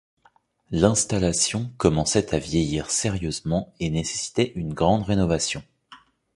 L'installation commençait à vieillir sérieusement et nécessitait une grande rénovation.